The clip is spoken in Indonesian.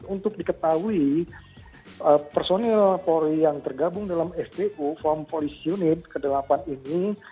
untuk diketahui personil polri yang tergabung dalam fpu form police unit ke delapan ini